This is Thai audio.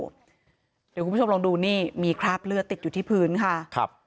เดี๋ยวคุณผู้ชมลองดูนี่มีคราบเลือดติดอยู่ที่พื้นค่ะครับ